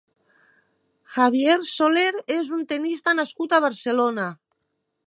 Javier Soler és un tennista nascut a Barcelona.